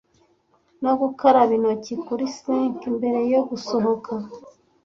no gukaraba intoki kuri sink, mbere yo gusohoka